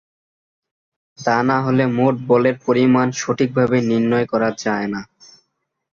তা না হলে মোট বলের পরিমাণ সঠিকভাবে নির্ণয় করা যায়না।